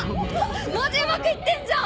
マジうまくいってんじゃん！